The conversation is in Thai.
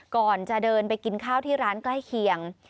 ก่อนจะเดินไปกินข้าวที่ร้านใกล้เคียง